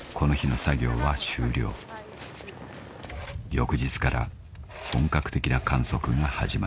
［翌日から本格的な観測が始まる］